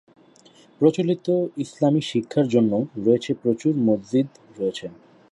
প্রচলিত ইসলামী শিক্ষার জন্যও রয়েছে প্রচুর মসজিদ রয়েছে।